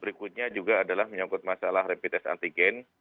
berikutnya juga adalah menyangkut masalah repitest antigen